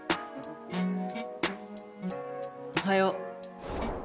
おはよう。